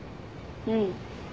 うん。